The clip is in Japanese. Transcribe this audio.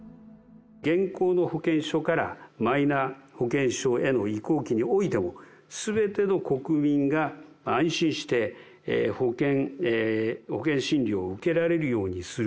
現行の保険証から、マイナ保険証への移行期においても、すべての国民が安心して保険診療を受けられるようにする。